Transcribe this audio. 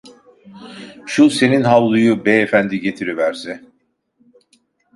Şu senin havluyu beyefendi getiriverse!